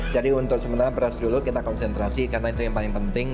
jadi untuk sementara beras dulu kita konsentrasi karena itu yang paling penting